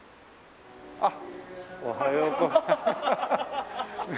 あっおはよう。